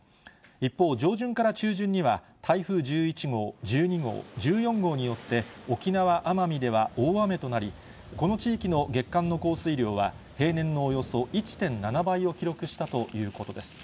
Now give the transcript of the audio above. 一方、上旬から中旬には、台風１１号、１２号、１４号によって、沖縄・奄美では大雨となり、この地域の月間の降水量は、平年のおよそ１．７倍を記録したということです。